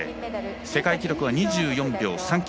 世界記録は２４秒３９。